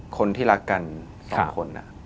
คนที่รักกัน๒คน